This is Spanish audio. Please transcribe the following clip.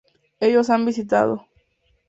Ellos han visitado